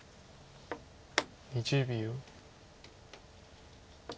２０秒。